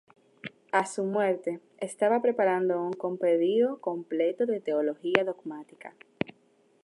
A su muerte, estaba preparando un compendio completo de teología dogmática.